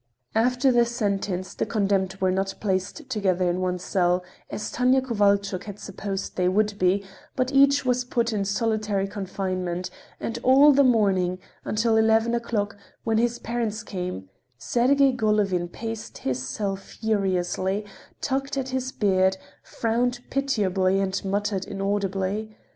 After the sentence the condemned were not placed together in one cell, as Tanya Kovalchuk had supposed they would be, but each was put in solitary confinement, and all the morning, until eleven o'clock, when his parents came, Sergey Golovin paced his cell furiously, tugged at his beard, frowned pitiably and muttered inaudibly.